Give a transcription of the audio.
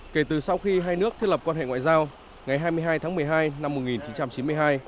kể từ sau khi hai nước thiết lập quan hệ ngoại giao ngày hai mươi hai tháng một mươi hai năm hai nghìn một mươi chín